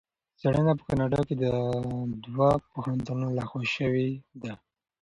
څېړنه په کاناډا کې د دوه پوهنتونونو لخوا شوې ده.